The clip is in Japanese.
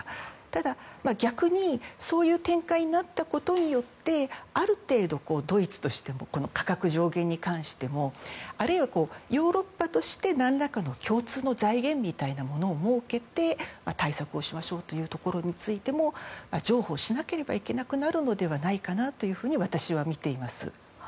ただ、逆にそういう展開になったことによってある程度、ドイツとしても価格上限に関してもあるいはヨーロッパとして何らか共通の財源みたいなものを設けて対策をしましょうというところについても譲歩しなければいけなくなるのではないかなと私はみています。